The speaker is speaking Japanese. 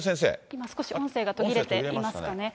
今、音声が途切れていますかね。